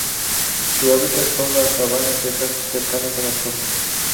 Su hábitat son las sabanas secas cercanas a las costas.